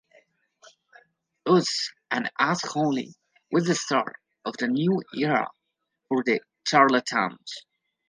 "Us And Us Only" was the start of a new era for The Charlatans.